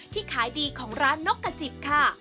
ขายดีของร้านนกกระจิบค่ะ